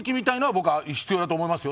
僕は必要だと思いますよ。